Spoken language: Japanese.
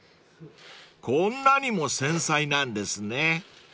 ［こんなにも繊細なんですね］